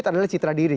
ini adalah citra diri